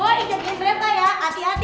boy jagain mereka ya hati hati